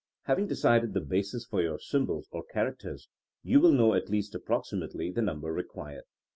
Having decided the basis for your symbols or characters, you will know at least approxi mately the number required.